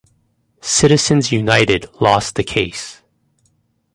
Citizens United lost the case.